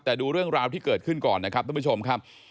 แต่ดูเรื่องราวที่เกิดขึ้นก่อนนะครับทุกผู้ชมครับ